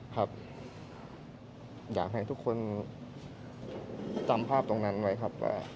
ครับอยากให้ทุกคนจำภาพตรงนั้นไว้ครับว่า